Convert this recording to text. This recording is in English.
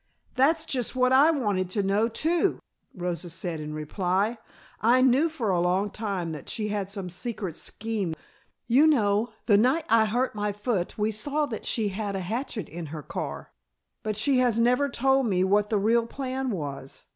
"That's just what I wanted to know, too," Rosa said in reply. "I knew for a long time that she had some secret scheme; you know the night I hurt my foot we saw that she had a hatchet in her car, but she has never told me what the real plan was.